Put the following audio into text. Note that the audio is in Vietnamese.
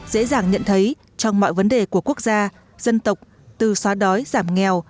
dễ dàng nhận thấy trong mọi vấn đề của quốc gia dân tộc từ xóa đói giảm nghèo